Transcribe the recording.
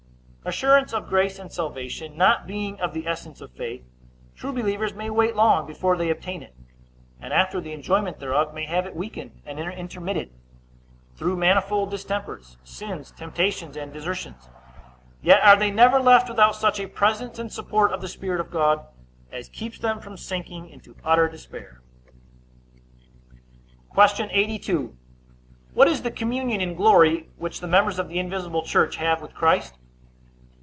Assurance of grace and salvation not being of the essence of faith, true believers may wait long before they obtain it; and, after the enjoyment thereof, may have it weakened and intermitted, through manifold distempers, sins, temptations, and desertions; yet are they never left without such a presence and support of the Spirit of God as keeps them from sinking into utter despair. Q. 82. What is the communion in glory which the members of the invisible church have with Christ?